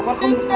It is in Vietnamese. con không sợ